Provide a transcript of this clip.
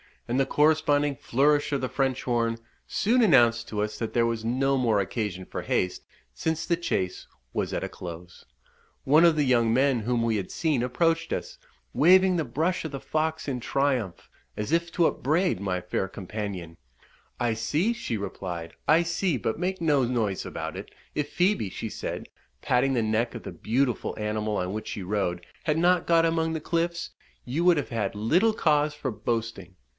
and the corresponding flourish of the French horn, soon announced to us that there was no more occasion for haste, since the chase was at a close. One of the young men whom we had seen approached us, waving the brush of the fox in triumph, as if to upbraid my fair companion, "I see," she replied, "I see; but make no noise about it: if Phoebe," she said, patting the neck of the beautiful animal on which she rode, "had not got among the cliffs, you would have had little cause for boasting."